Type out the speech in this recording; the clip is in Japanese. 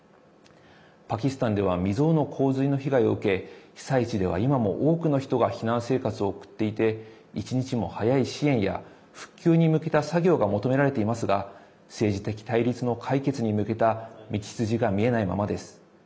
パキスタンでは未曽有の洪水の被害を受け被災地では今も多くの人が避難生活を送っていて１日も早い支援や、復旧に向けた作業が求められていますが政治的対立の解決に向けた道筋が見えないままです。